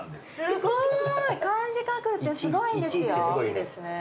すごい！漢字書くってすごいんですよ。